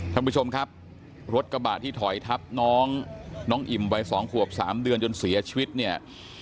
ท่านผู้ชมครับรถกระบะที่ถอยทับน้องน้องอิ่มวัย๒ขวบ๓เดือนจนเสียชีวิตเนี่ย